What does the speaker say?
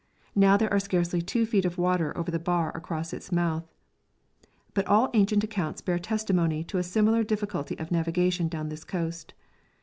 Now there are scarcely two feet of water over the bar across its mouth; but all ancient accounts bear testimony to a similar difficulty of navigation down this coast.